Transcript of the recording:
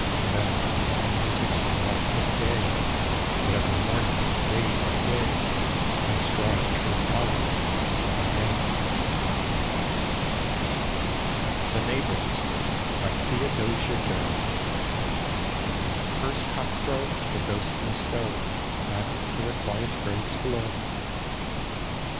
And then a music so lofty and gay, That every morning, day by day, I strive to recall it if I may. K Google 6 The Haunted Hour THE NEIGHBORS : theodosia oarxison At first cock crow The ghosts must go Back to their quiet graves belovf.